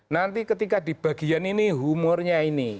nanti ketika di bagian ini humornya ini